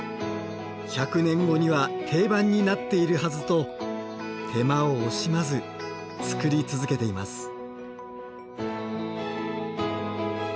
１００年後には定番になっているはずと手間を惜しまず作り続けています。